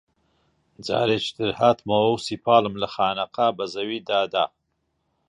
جارێکی تر هاتمەوە و سیپاڵم لە خانەقا بە زەویدا دا